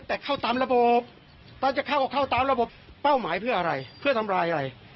แต่เข้าตามระบบตอนจะเข้าก็เข้าตามระบบเป้าหมายเพื่ออะไรเพื่อทำลายอะไร